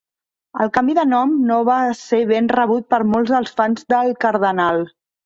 El canvi de nom no va ser ben rebut per molts dels fans del cardenal.